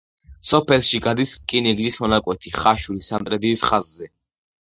სოფელში გადის რკინიგზის მონაკვეთი ხაშური-სამტრედიის ხაზზე.